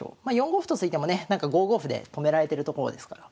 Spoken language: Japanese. ４五歩と突いてもねなんか５五歩で止められてるところですから